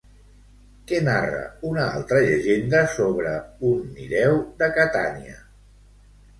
Què narra una altra llegenda sobre un Nireu de Catània?